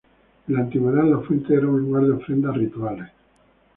En la antigüedad, la fuente era un lugar de ofrendas rituales.